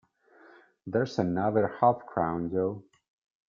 There's another half-crown, Jo.